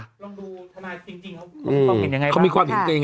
ต้องดูธนายจริงเขามีความเห็นยังไงบ้าง